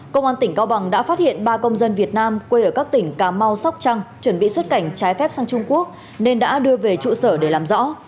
công an tỉnh cao bằng đã phát hiện ba công dân việt nam quê ở các tỉnh cà mau sóc trăng chuẩn bị xuất cảnh trái phép sang trung quốc nên đã đưa về trụ sở để làm rõ